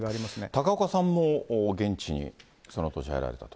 高岡さんも現地にその当時、入られたと？